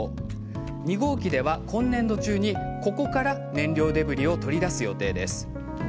２号機では今年度中に、ここから燃料デブリを取り出す予定です。